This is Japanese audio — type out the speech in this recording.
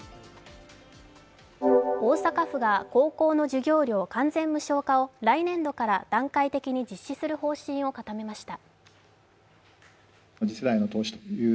大阪府が高校の授業料の無償化を来年度から段階的に実施する方針を固めました。